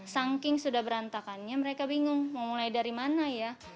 saking sudah berantakannya mereka bingung mau mulai dari mana ya